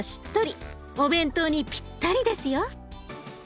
お弁当にぴったりですよ。